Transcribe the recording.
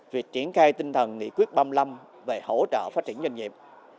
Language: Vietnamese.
việc triển khai tinh thần nghị quyết ba mươi năm về hỗ trợ phát triển doanh nghiệp